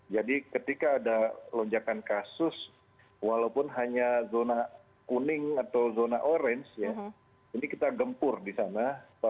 jadi ketika ada lonjakan kasus walaupun hanya zona kuning atau zona orange ini kita gempur di sana